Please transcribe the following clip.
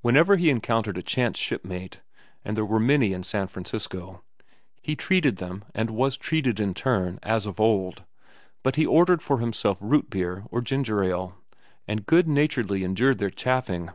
Whenever he encountered a chance shipmate, and there were many in San Francisco, he treated them and was treated in turn, as of old, but he ordered for himself root beer or ginger ale and good naturedly endured their chaffing.